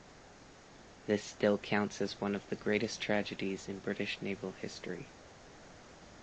This still counts as one of the greatest tragedies in British naval history.